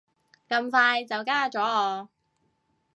咁快就加咗我